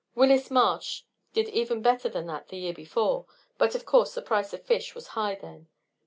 Willis Marsh did even better than that the year before, but of course the price of fish was high then.